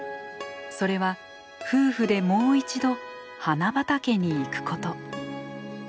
それは夫婦でもう一度花畑に行くこと。